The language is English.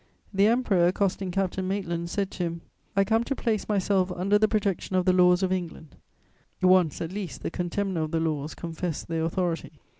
The Emperor, accosting Captain Maitland, said to him: "I come to place myself under the protection of the laws of England" Once at least the contemner of the laws confessed their authority.